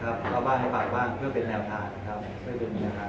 แล้วก็มันมีประสบความอะไรเพียงพอแค่ไหนไหมหรือไงบ้างครับ